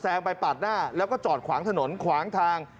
ไปปาดหน้าแล้วก็จอดขวางถนนขวางทาง